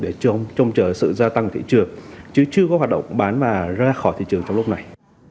để trông chờ sự gia tăng thị trường chứ chưa có hoạt động bán mà ra khỏi thị trường trong lúc này